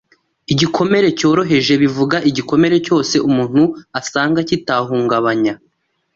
igikomere cyoroheje bivuga igikomere cyose umuntu asanga kitahungabanya